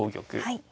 はい。